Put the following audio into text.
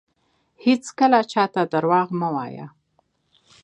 هیڅکله چاته درواغ مه وایه